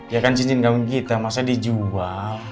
ya kan cincin kawin kita mas aja dijual